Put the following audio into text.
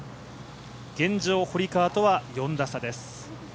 現状、堀川とは４打差です。